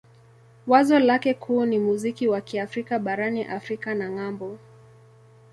Wazo lake kuu ni muziki wa Kiafrika barani Afrika na ng'ambo.